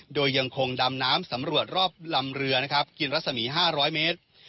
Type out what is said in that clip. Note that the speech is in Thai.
โดยยังคงดำน้ำสำรวจรอบลำเรือนะครับกินรัศมี๕๐๐เมตร